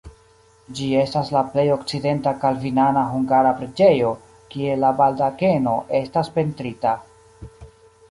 Ĝi estas la plej okcidenta kalvinana hungara preĝejo, kie la baldakeno estas pentrita.